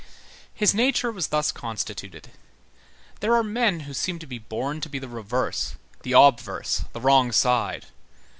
His nature was thus constituted. There are men who seem to be born to be the reverse, the obverse, the wrong side.